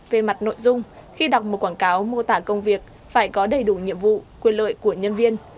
về mặt nội dung khi đọc một quảng cáo mô tả công việc phải có đầy đủ nhiệm vụ quyền lợi của nhân viên